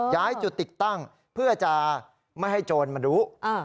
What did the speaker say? ย้ายจุดติดตั้งเพื่อจะไม่ให้โจรมันรู้